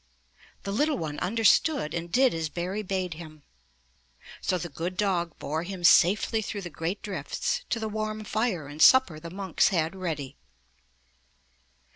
The little one understood and did as Barry bade him. So the good dog bore him safely through the great drifts, to the warm fire and supper the monks had ready.